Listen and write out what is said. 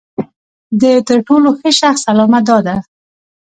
د تر ټولو ښه شخص علامه دا ده.